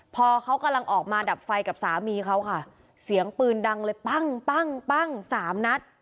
พอเขากำลังออกมาดับไฟกับสามีเขาค่ะเสียงปืนดังเลยปั้งปั้งปั้งสามนัด